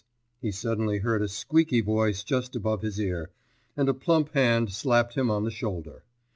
he suddenly heard a squeaky voice just above his ear, and a plump hand slapped him on the shoulder.